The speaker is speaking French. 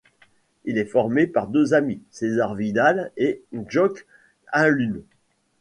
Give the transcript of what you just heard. Il est formé par deux amis, César Vidal et Jocke Åhlund.